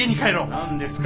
何ですか？